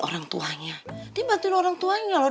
orang tuanya dia bantuin orang tuanya loh